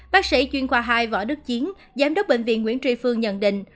bác sĩ chuyên khoa hai võ đức chiến giám đốc bệnh viện nguyễn tri phương nhận định